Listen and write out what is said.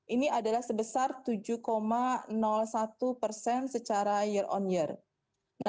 ini adalah sebesar tujuh satu persen secara year on year